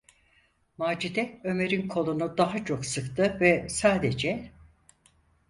Macide Ömer’in kolunu daha çok sıktı ve sadece: